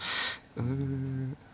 うん。